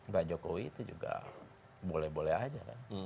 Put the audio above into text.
pak jokowi itu juga boleh boleh aja kan